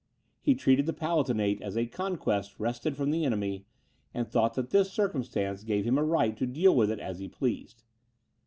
He treated the Palatinate as a conquest wrested from the enemy, and thought that this circumstance gave him a right to deal with it as he pleased.